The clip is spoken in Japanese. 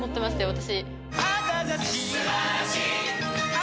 私。